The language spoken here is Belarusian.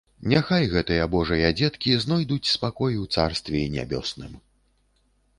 Няхай гэтыя Божыя дзеткі здойдуць спакой у Царствіі Нябёсным.